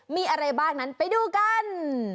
มีอะไรบ้างนั้นไปดูกัน